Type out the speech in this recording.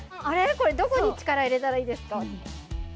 これどこに力を入れたらいいですか。